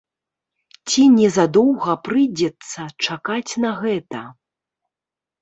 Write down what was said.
Ці не задоўга прыйдзецца чакаць на гэта?